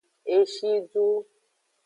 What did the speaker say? Eshidu.